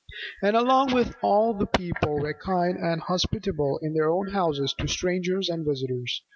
And along with all this the people were kind and hospitable in their own houses to strangers and visitors.